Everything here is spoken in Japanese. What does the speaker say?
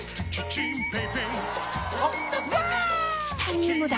チタニウムだ！